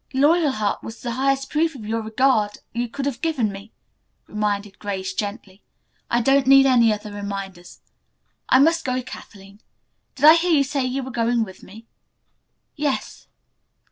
"'Loyalheart' was the highest proof of your regard you could have given me," reminded Grace gently. "I don't need any other reminders. I must go, Kathleen. Did I hear you say you were going with me?" "Yes."